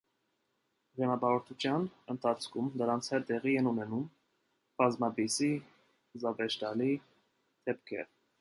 Ճանապարհորդության ընթացքում նրանց հետ տեղի են ունենում բազմապիսի, զավեշտալի դեպքեր։